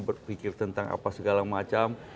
berpikir tentang apa segala macam